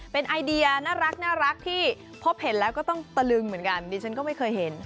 เป็นไอเดียน่ารักที่พบเห็นแล้วก็ต้องตะลึงเหมือนกันดิฉันก็ไม่เคยเห็น